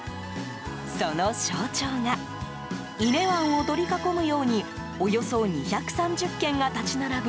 その象徴が伊根湾を取り囲むようにおよそ２３０軒が立ち並ぶ